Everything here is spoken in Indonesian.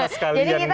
sekalian begitu ya